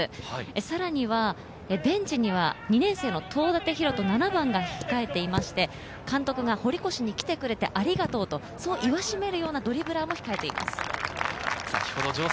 さらにベンチには２年生の東舘大翔、７番が控えていまして、監督が堀越に来てくれてありがとうと、そう言わしめるようなドリブラーも控えています。